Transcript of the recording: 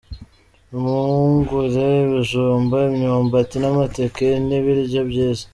Impungure, ibijumba, imyumbati n’amateke ni ibiryo byiza.